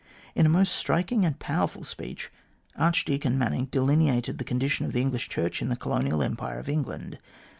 In a most striking and powerful speech, Archdeacon Manning delineated the condition of the English Church in the Colonial Empire of England.